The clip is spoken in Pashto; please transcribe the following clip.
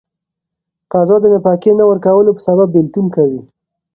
قضا د نفقې نه ورکولو په سبب بيلتون کوي.